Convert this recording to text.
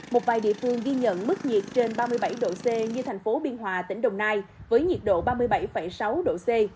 một vài địa phương ghi nhận mức nhiệt trên ba mươi bảy độ c như thành phố biên hòa tỉnh đồng nai với nhiệt độ ba mươi bảy sáu độ c